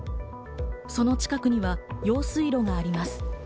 その近くには用水路があります。